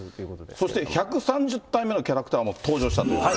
そして１３０体目のキャラクターも登場したということで。